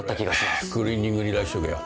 それクリーニングに出しとけよ。